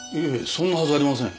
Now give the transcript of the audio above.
そんなはずありません。